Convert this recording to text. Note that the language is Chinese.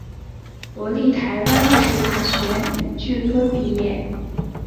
国立台湾艺术大学影剧科毕业。